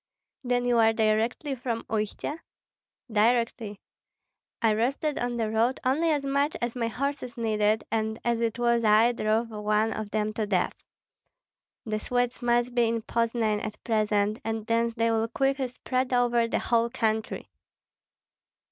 "Then you are directly from Uistsie?" "Directly. I rested on the road only as much as my horses needed, and as it was I drove one of them to death. The Swedes must be in Poznan at present, and thence they will quickly spread over the whole country."